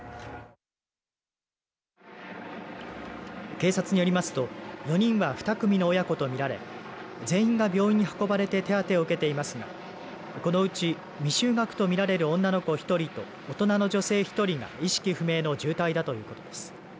警察によりますと４人は２組の親子とみられ全員が病院に運ばれて手当てを受けていますがこのうち、未就学とみられる女の子１人と大人の女性１人が意識不明の重体だということです。